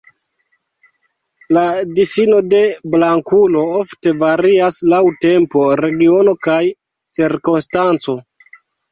La difino de "blankulo" ofte varias laŭ tempo, regiono, kaj cirkonstanco.